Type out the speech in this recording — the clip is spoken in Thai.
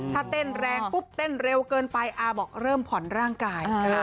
ถ้าเต้นแรงปุ๊บเต้นเร็วเกินไปอาบอกเริ่มผ่อนร่างกาย